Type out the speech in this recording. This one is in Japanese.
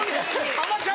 『あまちゃん』！